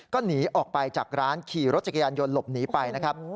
ก็หนีออกไปจากร้านขี่รถจักรยานยนต์หลบหนีไปนะครับ